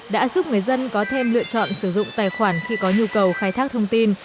đã giúp người dân có thêm lựa chọn sử dụng tài khoản khi có nhu cầu khai thác thông tin